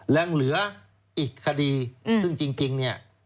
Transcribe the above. แล้วเหลืออีกคดีซึ่งจริงนี่